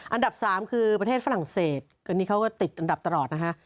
อันดับสามคือประเทศฝรั่งเศสตอนนี้เขาก็ติดอันดับตลอดนะฮะ